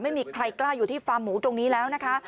ไม่มีใครกล้าอยู่ที่ฟาร์มหมูตรงนี้แล้วนะคะ